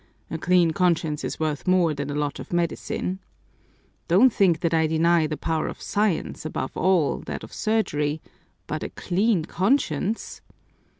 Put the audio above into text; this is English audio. A clean conscience is worth more than a lot of medicine. Don't think that I deny the power of science, above all, that of surgery, but a clean conscience!